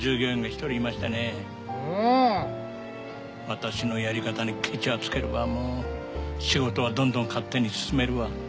私のやり方にケチはつけるわもう仕事はどんどん勝手に進めるわ。